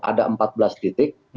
ada empat belas titik